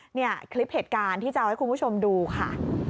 เนี่ยคลิปเหตุการณ์ที่จะเอาให้คุณผู้ชมดูค่ะ